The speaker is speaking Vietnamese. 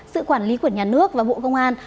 sự quản lý của nhà nước và bộ công an